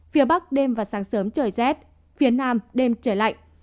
phía bắc đêm và sáng sớm trời rét phía nam đêm trời lạnh